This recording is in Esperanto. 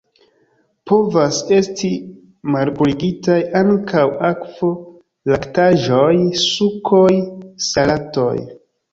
Povas esti malpurigitaj ankaŭ akvo, laktaĵoj, sukoj, salatoj.